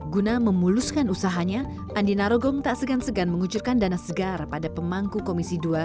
guna memuluskan usahanya andi narogong tak segan segan mengucurkan dana segar pada pemangku komisi dua